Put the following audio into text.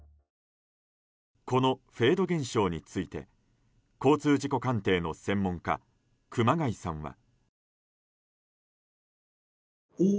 このフェード現象について交通事故鑑定の専門家熊谷さんは。